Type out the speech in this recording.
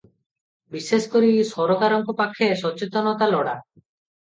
ବିଶେଷ କରି ସରକାରଙ୍କ ପାଖେ ସଚେତନତା ଲୋଡ଼ା ।